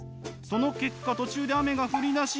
その結果途中で雨が降りだし。